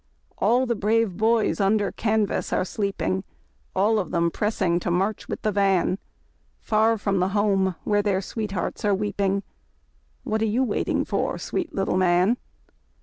All the brave boys under canvas are sleeping; All of them pressing to march with the van. Far from the home where their sweethearts are weeping; What are you waiting for, sweet little man?